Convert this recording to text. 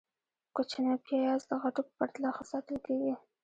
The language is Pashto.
- کوچني پیاز د غټو په پرتله ښه ساتل کېږي.